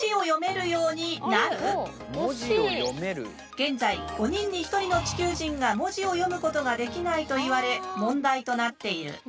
現在５人に１人の地球人が文字を読むことができないと言われ問題となっている。